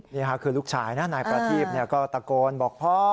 นี่ค่ะคือลูกชายนะนายประทีพก็ตะโกนบอกพ่อ